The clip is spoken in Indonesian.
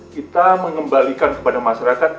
kita mengembalikan kepada masyarakat